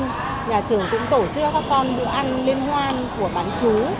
nhà trường cũng tổ chức cho các con bữa ăn lên hoan của bán chú